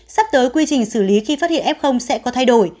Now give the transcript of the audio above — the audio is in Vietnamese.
sắp tới quy trình xử lý khi phát hiện f sẽ có thay đổi